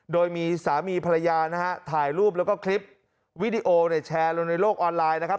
โดยมีสามีภรรยานะฮะถ่ายรูปแล้วก็คลิปวิดีโอเนี่ยแชร์ลงในโลกออนไลน์นะครับ